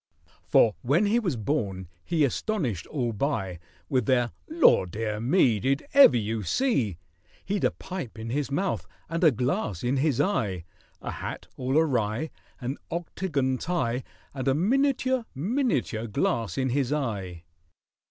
For when he was born he astonished all by, With their "Law, dear me!" "Did ever you see?" He'd a pipe in his mouth and a glass in his eye, A hat all awry— An octagon tie— And a miniature—miniature glass in his eye.